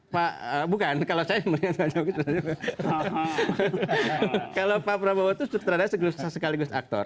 pak bukan kalau saya melihat pak jokowi itu sutradara sekaligus aktor